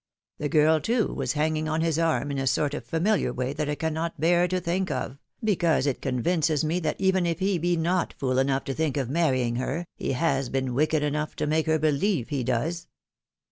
The girl, too, was hanging on his arm in a sort of familiar way that I cannot bear to think of, because it convinces me that EQUIVOCAX CONDUCT. 847 I even if he be not fool enough to think of marrying her, he lias been wioked enough to make her beheve he does."